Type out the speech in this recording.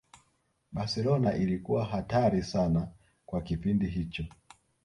Barcelona ilikuwa hatari sana kwa kipindi hicho